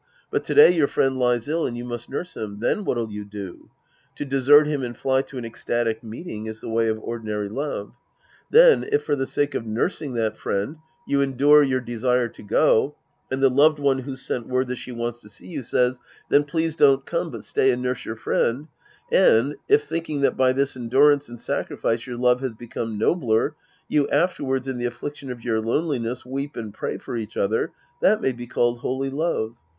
But to day your friend lies ill and you must nurse him ; then what'll you do ? To desert liim and fly to an ecstatic meeting is the way of ordinary love. Then if for the sake of nursing that friend, you endure your desire to go, and the loved one who's sent word that she wants to see you says, " Then please don't come but stay and nurse your friend," and, if thinking that by this endurance and sacrifice your love has become nobler, you after wards, in the affliction of your loneliness, weep and pray for each other, that may be called holy love.